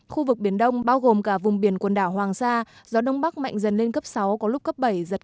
khu vực biển đông bao gồm cả vùng biển quần đảo hoàng sa gió đông bắc mạnh dần lên cấp sáu có lúc cấp bảy giật cấp tám chín biển động mạnh